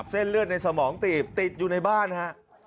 เส้นเลือดในสมองตีบติดอยู่ในบ้านฮะ